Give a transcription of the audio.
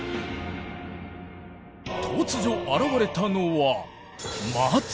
突如現れたのは松？